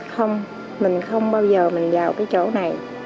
không mình không bao giờ mình vào cái chỗ này